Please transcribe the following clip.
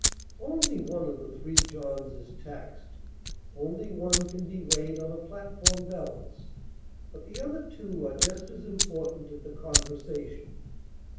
Only one of the three Johns is taxed; only one can be weighed on a platform balance; but the other two are just as important in the conversation.